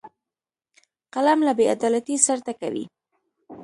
قلم له بیعدالتۍ سر ټکوي